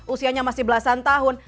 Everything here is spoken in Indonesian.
usianya masih belasan tahun